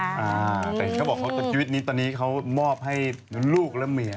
แต่เห็นเขาบอกเขาชีวิตนี้ตอนนี้เขามอบให้ลูกและเมีย